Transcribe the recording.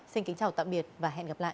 xin kính chào tạm biệt và hẹn gặp lại